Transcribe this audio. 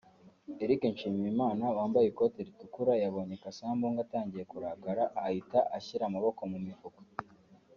Eric Nshimiyimana (Wambaye ikoti ritukura) yabonye Cassa Mbungo atangiye kurakara ahita ashyira amaboko mu mifuka